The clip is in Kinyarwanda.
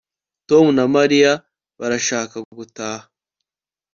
Tom na Mariya barashaka gutaha